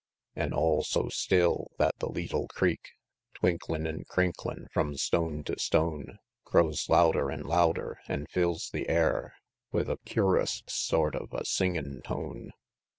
An' all so still, that the leetle creek, Twinklin' an crinklin' from stone to stone, Grows louder an' louder, an' fills the air With a cur'us sort of a singin' tone.